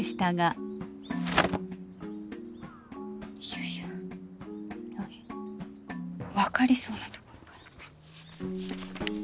いやいや分かりそうなところがら。